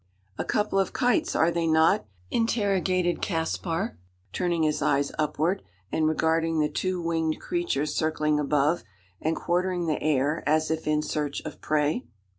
"A couple of kites, are they not?" interrogated Caspar, turning his eyes upward, and regarding the two winged creatures circling above, and quartering the air as if in search of prey.